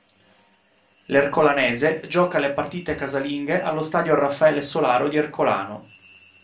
L'Ercolanese gioca le partite casalinghe allo Stadio Raffaele Solaro di Ercolano.